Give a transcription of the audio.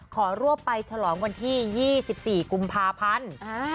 ขอรวบไปฉลองวันที่๒๔กุมภาพันธ์